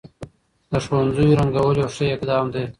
د ښوونځيو رنګول يو ښه اقدام دی.